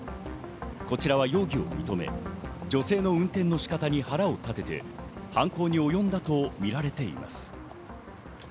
こちらは容疑を認め、女性の運転の仕方に腹を立てて犯行におよんだとみられています。